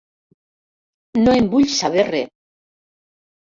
No en vull saber re.